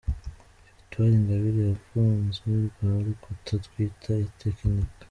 –Victoire ingabire yagonze rwa rukuta twita itekinika.